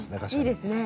いいですね。